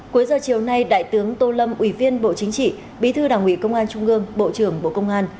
cuối giờ chiều nay đại tướng tô lâm ủy viên bộ chính trị bí thư đảng ủy công an trung ương bộ trưởng bộ công an